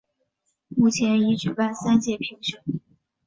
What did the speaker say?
目前已举办三届评选。